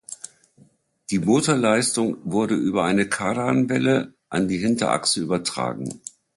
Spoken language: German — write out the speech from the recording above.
Die Motorleistung wurde über eine Kardanwelle an die Hinterachse übertragen.